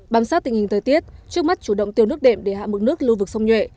bám sát tình hình thời tiết trước mắt chủ động tiêu nước đệm để hạ mức nước lưu vực sông nhuệ